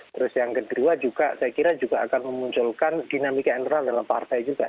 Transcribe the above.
terus yang kedua juga saya kira juga akan memunculkan dinamika internal dalam partai juga